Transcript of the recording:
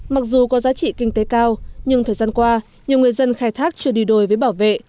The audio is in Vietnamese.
mặc dù có giá trị kinh tế cao nhưng thời gian qua nhiều người dân khai thác chưa đi đôi với bảo vệ